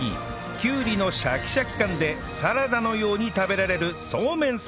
きゅうりのシャキシャキ感でサラダのように食べられるそうめんサラダ